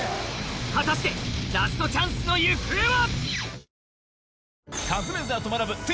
果たしてラストチャンスの行方は？